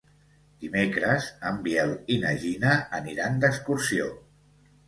Dimecres en Biel i na Gina aniran d'excursió.